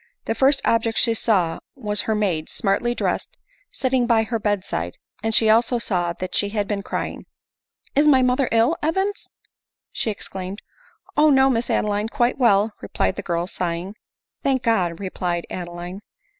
, The first object she saw was her maid, smartly dressed, sitting by her bed side ; and she also saw that she had been crying. " Is my mother ill, Evans ?" she exclaimed. " O ! no, Miss Adeline, quite well," replied the girl, sighing. "Thank God!" replied Adeline.